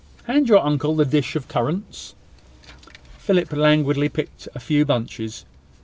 Hand your uncle the dish of currants." Philip languidly picked a few bunches.